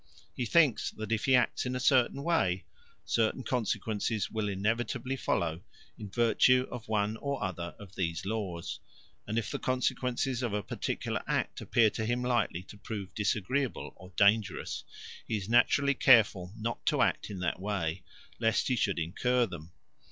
He thinks that if he acts in a certain way, certain consequences will inevitably follow in virtue of one or other of these laws; and if the consequences of a particular act appear to him likely to prove disagreeable or dangerous, he is naturally careful not to act in that way lest he should incur them.